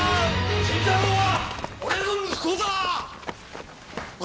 新太郎は俺の息子だ！